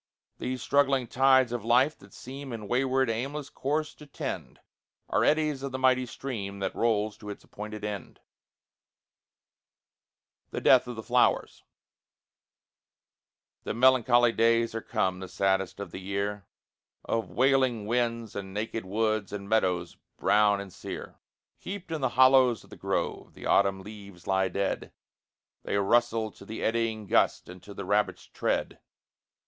These struggling tides of life, that seem In wayward, aimless course to tend, Are eddies of the mighty stream That rolls to its appointed end. D. Appleton and Company, New York. THE DEATH OF THE FLOWERS The melancholy days are come, the saddest of the year, Of wailing winds, and naked woods, and meadows brown and sere. Heaped in the hollows of the grove, the autumn leaves lie dead; They rustle to the eddying gust, and to the rabbit's tread.